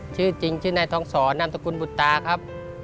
ชื่อจริงชื่อในท้องศรนามตระกุลบุตรตาครับ